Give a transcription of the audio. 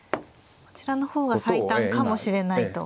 こちらの方が最短かもしれないと。